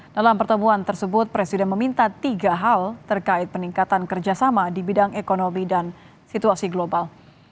dalam pertemuan tersebut presiden meminta tiga hal terkait peningkatan kerjasama di bidang ekonomi dan situasi global